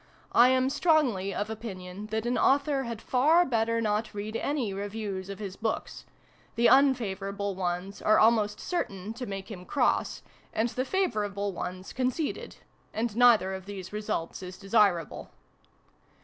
I am strongly of opinion that an author had far better not read any reviews of his books : the un favorable ones are almost certain to make him cross, and the favorable ones conceited ; and neither of these results is desirable.